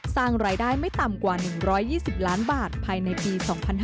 สร้างรายได้ไม่ต่ำกว่า๑๒๐ล้านบาทภายในปี๒๕๕๙